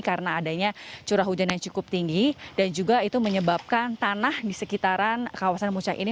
karena adanya curah hujan yang cukup tinggi dan juga itu menyebabkan tanah di sekitaran kawasan puncak ini